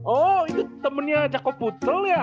oh itu temennya jakob putel ya